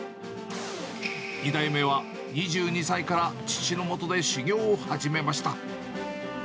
２代目は２２歳から父の下で修業を始めました。